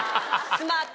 スマート。